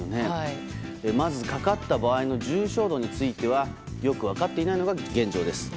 まずかかった場合の重症度についてはよく分かっていないのが現状です。